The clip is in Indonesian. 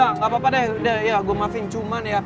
gapapa deh udah ya gua maafin cuman ya